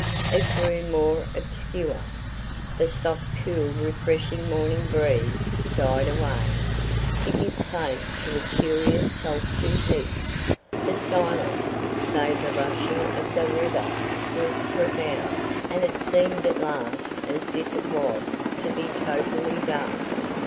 It grew more obscure. The soft cool refreshing morning breeze died away, to give place to a curious sultry heat. The silence, save the rushing of the river, was profound, and it seemed at last as if it was to be totally dark.